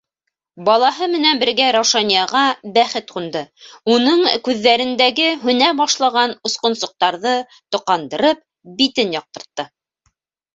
Балаһы менән бергә Раушанияға бәхет ҡунды, уның күҙҙәрендәге һүнә башлаған осҡонсоҡтарҙы тоҡандырып, битен яҡтыртты.